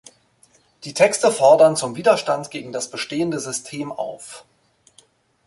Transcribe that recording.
Die Texte fordern zum Widerstand gegen das bestehende System auf.